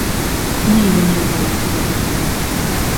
Инәйем дә балаҫ һуға торғайны.